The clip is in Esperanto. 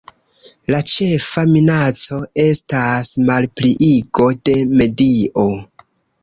La ĉefa minaco estas malpliigo de medio.